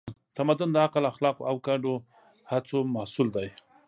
تمدن د عقل، اخلاقو او ګډو هڅو محصول دی.